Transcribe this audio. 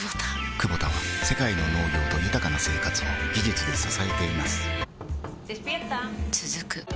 クボタは世界の農業と豊かな生活を技術で支えています起きて。